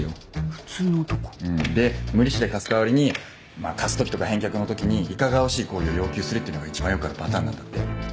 普通の男？で無利子で貸す代わりに貸す時とか返却の時にいかがわしい行為を要求するっていうのが一番よくあるパターンなんだって。